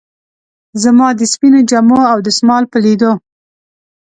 زما د سپینو جامو او دستمال په لیدو.